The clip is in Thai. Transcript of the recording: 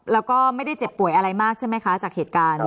แล้วก็ไม่ได้เจ็บป่วยอะไรมากใช่ไหมคะจากเหตุการณ์